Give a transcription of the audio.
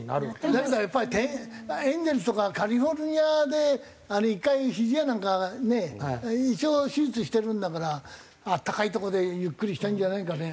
だけどやっぱりエンゼルスとかカリフォルニアで１回ひじやなんかね一応手術してるんだから暖かいとこでゆっくりしたいんじゃないかね。